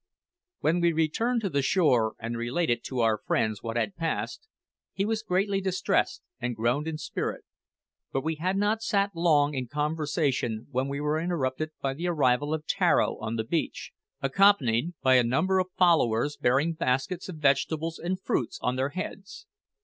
When we returned to the shore and related to our friend what had passed, he was greatly distressed, and groaned in spirit; but we had not sat long in conversation when we were interrupted by the arrival of Tararo on the beach, accompanied by a number of followers bearing baskets of vegetables and fruits on their heads.